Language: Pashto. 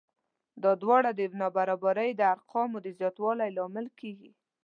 دا دواړه د نابرابرۍ د ارقامو د زیاتوالي لامل کېږي